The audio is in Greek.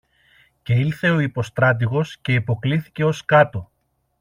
Και ήλθε ο υποστράτηγος και υποκλίθηκε ως κάτω.